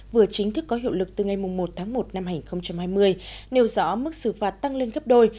vừa chính thức có hiệu lực từ ngày một tháng một năm hai nghìn hai mươi nêu rõ mức xử phạt tăng lên gấp đôi